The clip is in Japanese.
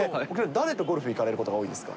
誰とゴルフ行かれることが多いですか？